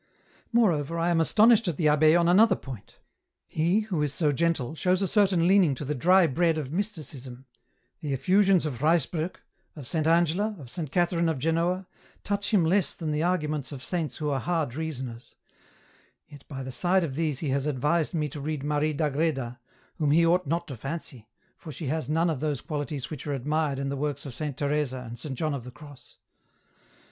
" Moreover I am astonished at the abb^ on another point He, who is so gentle, shows a certain leaning to the dry bread of Mysticism ; the effusions of Ruysbrock, of Saint Angela, of Saint Catherine of Genoa, touch him less than the arguments of saints who are hard reasoners ; yet by the side of these he has advised me to read Marie d'Agreda, whom he ought not to fancy, for she has none of those qualities which are admired in the works of Saint Teresa and Saint John of the Cross.